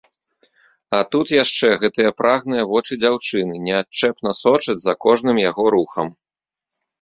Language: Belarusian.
А тут яшчэ гэтыя прагныя вочы дзяўчыны неадчэпна сочаць за кожным яго рухам.